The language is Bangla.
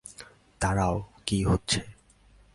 দাঁড়াও, কী হচ্ছে?